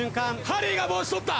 ハリーが帽子取った。